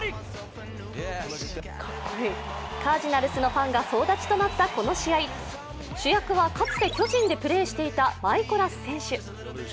カージナルスのファンが総立ちとなったこの試合主役はかつて巨人でプレーしていたマイコラス選手。